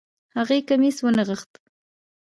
هغې کميس ونغښتۀ